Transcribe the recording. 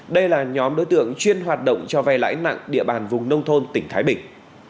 đây là nhóm đối tượng chuyên hoạt động cho vay lãi nặng địa bàn vùng nông thôn tỉnh thái bình